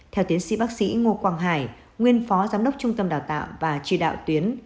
theo tiến sĩ bác sĩ ngô quang hải nguyên phó giám đốc trung tâm đào tạo và chỉ đạo tuyến